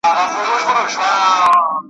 محتسب مو پر منبر باندي امام سو `